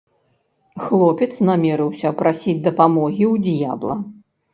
Хлопец намерыўся прасіць дапамогі ў д'ябла.